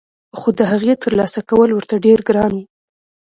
خو دهغې ترلاسه کول ورته ډېر ګران وو